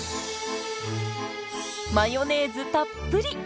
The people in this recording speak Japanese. マヨネーズたっぷり！